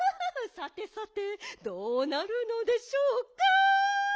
「さてさてどうなるのでしょうか」